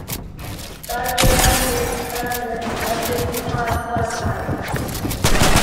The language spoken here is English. Dopyera developed an electric guitar prototype.